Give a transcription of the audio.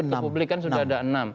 ke publik kan sudah ada enam